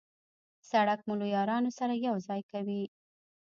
سړک مو له یارانو سره یو ځای کوي.